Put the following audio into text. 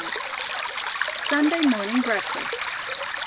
SUNDAY MORNING BREAKFAST.